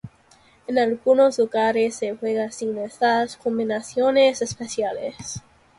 En algunos lugares se juega sin estas combinaciones especiales.